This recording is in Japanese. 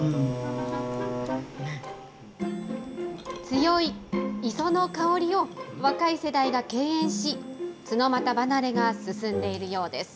強い磯の香りを、若い世代が敬遠し、ツノマタ離れが進んでいるようです。